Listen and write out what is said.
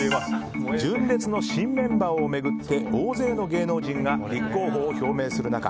純烈の新メンバーを巡って大勢の芸能人が立候補を表明する中